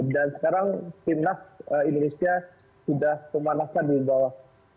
dan sekarang timnas indonesia sudah pemanasan di bawah